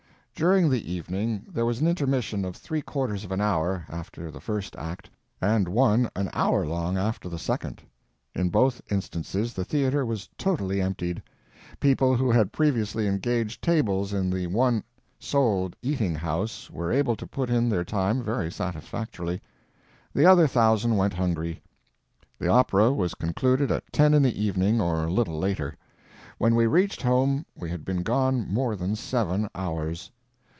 During the evening there was an intermission of three quarters of an hour after the first act and one an hour long after the second. In both instances the theater was totally emptied. People who had previously engaged tables in the one sole eating house were able to put in their time very satisfactorily; the other thousand went hungry. The opera was concluded at ten in the evening or a little later. When we reached home we had been gone more than seven hours.